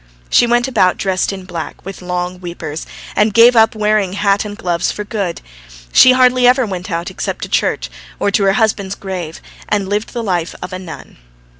She went about dressed in black with long "weepers," and gave up wearing hat and gloves for good. She hardly ever went out, except to church, or to her husband's grave, and led the life of a nun.